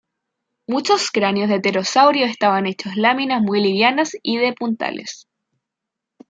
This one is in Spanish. Muchos cráneos de pterosaurios estaban hechos de láminas muy livianas y de puntales.